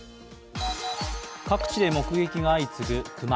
各地で目撃が相次ぐ熊。